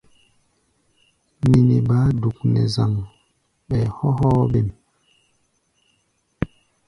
Nini baá duk nɛ zaŋ, ɓɛɛ hɔ́ hɔ́ɔ́-bêm.